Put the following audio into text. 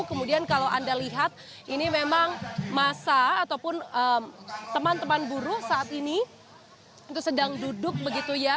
kemudian kalau anda lihat ini memang masa ataupun teman teman buruh saat ini itu sedang duduk begitu ya